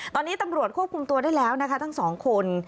ตอนนี้ตำรวจควบคุมตัวได้แล้วนะคะทั้งสองคน